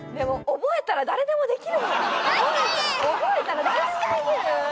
覚えたら誰でもできる！